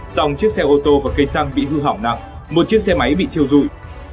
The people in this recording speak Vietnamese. song chiếc xe ô tô và cây xăng bị hư hỏng nặng một chiếc xe máy bị thiêu dụi